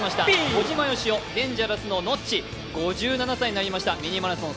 小島よしお、デンジャラスのノッチ５７歳になりました「ミニマラソン」